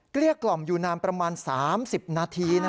เกลี้ยกล่อมอยู่นานประมาณ๓๐นาที